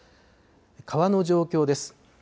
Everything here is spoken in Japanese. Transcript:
川の状況です。